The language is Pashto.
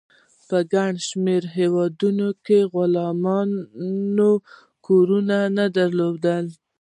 په ګڼ شمیر هیوادونو کې غلامانو کورنۍ نه درلودې.